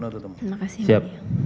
terima kasih pak